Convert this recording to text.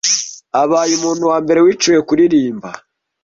abaye umuntu wa mbere wiciwe kuririmba